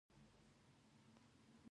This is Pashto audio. یخ ښکارېدل، خو دومره یخ هم نه.